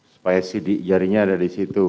supaya sidik jarinya ada di situ